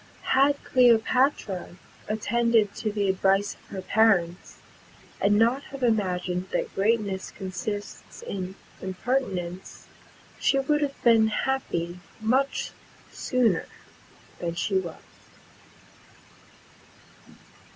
Had Cleopatra attended to the advice of her parents, and not have imagined that greatness consists in impertinence, she would have been happy much sooner than she was.